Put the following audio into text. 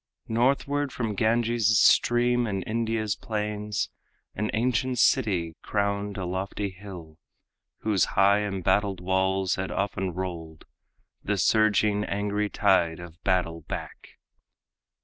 Northward from Ganges' stream and India's plains An ancient city crowned a lofty hill, Whose high embattled walls had often rolled The surging, angry tide of battle back.